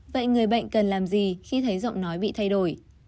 vậy người bệnh cần làm gì khi thấy giọng nói bị thay đổi